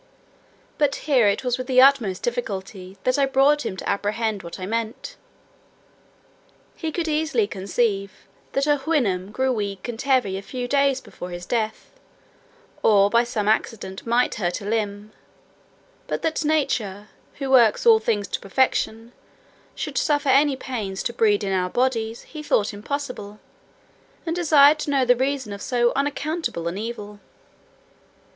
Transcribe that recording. But here it was with the utmost difficulty that I brought him to apprehend what I meant. "He could easily conceive, that a Houyhnhnm, grew weak and heavy a few days before his death, or by some accident might hurt a limb; but that nature, who works all things to perfection, should suffer any pains to breed in our bodies, he thought impossible, and desired to know the reason of so unaccountable an evil."